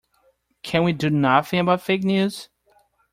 Can we do nothing about fake news?